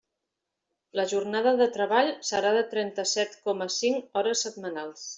La jornada de treball serà de trenta-set coma cinc hores setmanals.